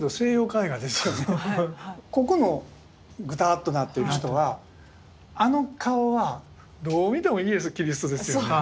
ここのグターッとなってる人はあの顔はどう見てもイエス・キリストですよね。